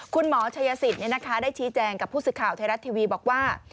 คุณหมอชัยสิทธิ์ได้ชี้แจงกับผู้สื่อข่าวไทยรัฐทีวีบอกว่า